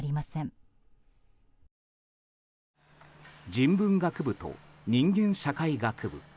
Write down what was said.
人文学部と人間社会学部。